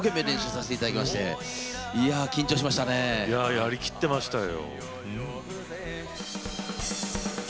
やりきっていましたよ。